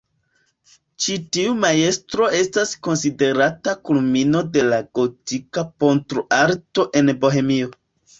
Ĉi tiu majstro estas konsiderata kulmino de la gotika pentroarto en Bohemio.